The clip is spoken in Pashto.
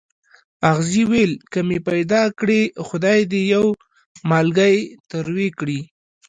اغزي ویل که مې پیدا کړې خدای دې یو مالګی تروې کړي.